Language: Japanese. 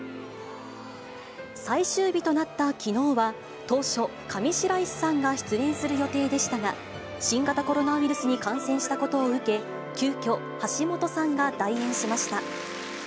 最終日となったきのうは、当初、上白石さんが出演する予定でしたが、新型コロナウイルスに感染したことを受け、急きょ、橋本さんが代演しました。